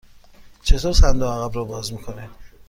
چطور صندوق عقب را باز می کنید؟